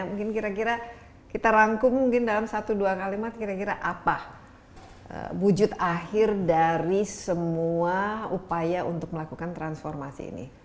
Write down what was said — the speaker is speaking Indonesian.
mungkin kira kira kita rangkum mungkin dalam satu dua kalimat kira kira apa wujud akhir dari semua upaya untuk melakukan transformasi ini